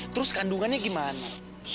terus kandungannya gimana